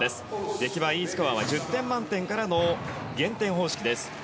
出来栄えＥスコアは１０点満点からの減点方式です。